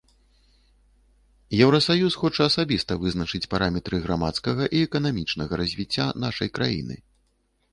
Еўрасаюз хоча асабіста вызначаць параметры грамадскага і эканамічнага развіцця нашай краіны.